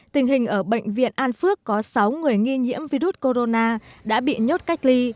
tình hình ở bệnh viện an phước có sáu người nghi nhiễm virus corona đã bị nhốt cách ly